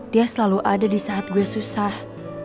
dia selalu ada di saat gue susah